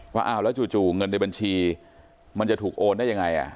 ว่าอ้าวแล้วจู่เงินในบัญชีมันจะถูกโอนได้ยังไง